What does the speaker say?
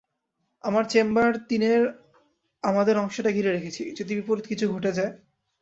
আমরা চেম্বার তিনের আমাদের অংশটা ঘিরে রেখেছি, যদি বিপরীত কিছু ঘটে যায়।